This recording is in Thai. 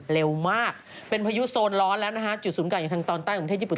เร็วมากเป็นพายุโซนร้อนแล้วนะฮะจุดศูนย์กลางอย่างทางตอนใต้ของประเทศญี่ปุ่น